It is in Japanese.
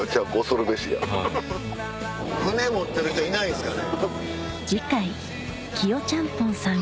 船持ってる人いないですかね？